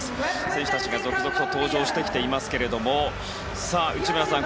選手たちが続々と登場してきていますが内村さん